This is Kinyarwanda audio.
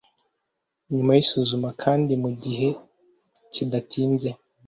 nyuma y'isuzuma kandi mu gihe kidatinze.